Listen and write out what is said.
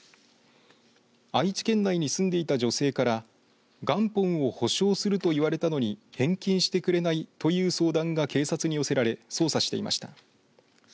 愛知県内に住んでいた女性から元本を保証すると言われたのに返金してくれないという相談が警察に寄せられ捜査していました。